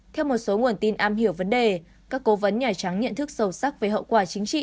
theo một số nguồn tin am hiểu vấn đề các cố vấn nhà trắng nhận thức sâu sắc về hậu quả chính trị